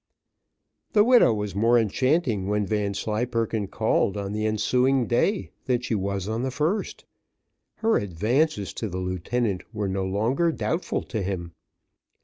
The widow was more enchanting when Vanslyperken called on the ensuing day, than she was on the first. Her advances to the lieutenant were no longer doubtful to him.